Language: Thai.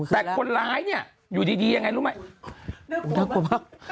แต่คนร้ายเนี่ยอยู่ดียังไงรู้ไหม